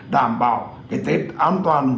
đảm bảo cái tết an toàn